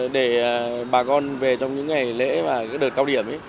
để bà con về trong những ngày lễ và đợt cao điểm